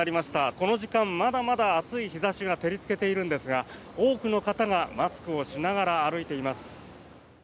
この時間、まだまだ暑い日差しが照りつけているんですが多くの方がマスクをしながら歩いています。